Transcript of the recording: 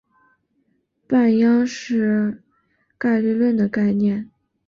半鞅是概率论的概念。